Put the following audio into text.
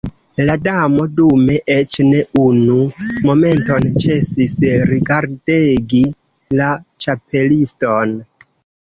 La Damo dume eĉ ne unu momenton ĉesis rigardegi la Ĉapeliston.